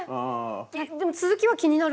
でも続きは気になる。